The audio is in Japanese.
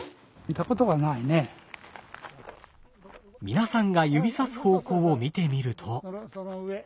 皆さんが指さす方向を見てみると。